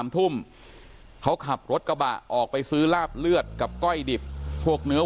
ทุ่มเขาขับรถกระบะออกไปซื้อลาบเลือดกับก้อยดิบพวกเนื้อ